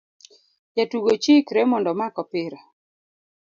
Jatugo chikre mondo omak opira